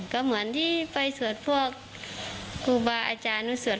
ก็เหมือนที่ไปสวดพวกครูบาอาจารย์นุสวด